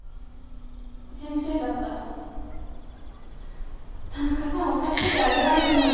先生だったら田中さんを助けてあげられるのに。